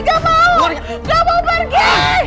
gue gak mau pergi